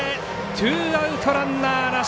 ツーアウトランナーなし。